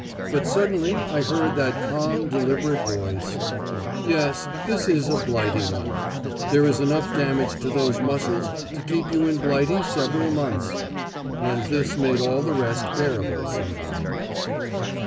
But suddenly I heard that calm deliberate voice: "Yes, that is a Blighty one. There is enough damage to those muscles to keep you in Blighty several months." And this made all the rest bearable somehow.